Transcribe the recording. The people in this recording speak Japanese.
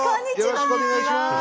よろしくお願いします。